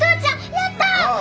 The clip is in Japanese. やった！